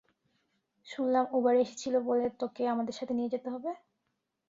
শুনলাম উবারে এসেছিস বলে তোকে আমাদের সাথে নিয়ে যেতে হবে।